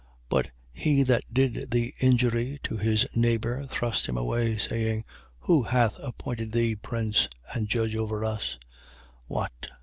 7:27. But he that did the injury to his neighbour thrust him away, saying: Who hath appointed thee prince and judge over us: 7:28. What!